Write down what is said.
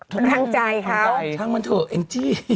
ทางใจเขาช่างมันเถอะเอ็งจี้